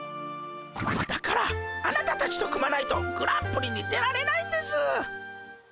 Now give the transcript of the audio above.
だからあなたたちと組まないとグランプリに出られないんです。